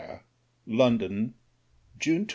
LONDON, JUNE 27.